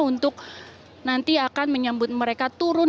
untuk nanti akan menyambut mereka turun